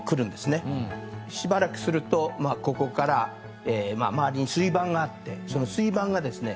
しばらくするとここから周りに水盤があってその水盤がですね